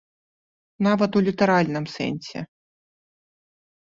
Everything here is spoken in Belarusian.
Нават у літаральным сэнсе.